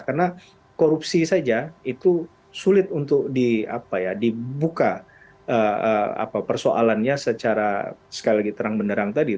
karena korupsi saja itu sulit untuk dibuka persoalannya secara terang benerang tadi